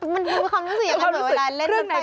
มันมีความรู้สึกอย่างไรเหมือนเวลาเล่นมันไปหอม